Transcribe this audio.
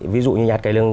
ví dụ như nhà hát cây lương